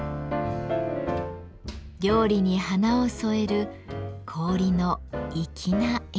料理に華を添える氷の粋な演出です。